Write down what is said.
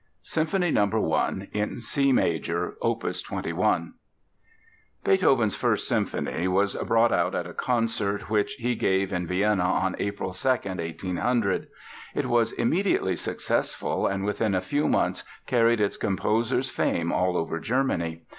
Symphony No. 1, in C Major, Op. 21 Beethoven's First Symphony was brought out at a concert which he gave in Vienna on April 2, 1800. It was immediately successful and within a few months carried its composer's fame all over Germany.